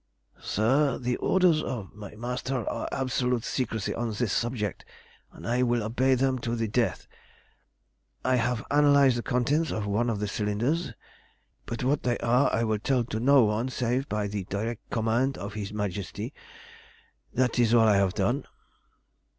"Sir, the orders of my master are absolute secrecy on this subject, and I will obey them to the death. I have analysed the contents of one of the cylinders, but what they are I will tell to no one save by the direct command of his Majesty. That is all I have done."